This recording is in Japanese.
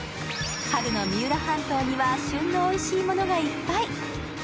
春の三浦半島には旬のおいしいものがいっぱい。